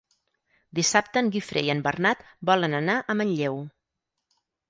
Dissabte en Guifré i en Bernat volen anar a Manlleu.